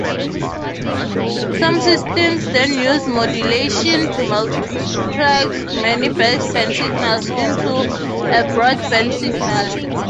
Some systems then use modulation to multiplex many baseband signals into a broadband signal.